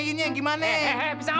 gini tuh gimana sih